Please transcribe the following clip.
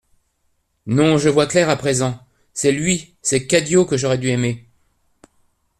Non ! je vois clair à présent ! c'est lui, c'est Cadio que j'aurais dû aimer.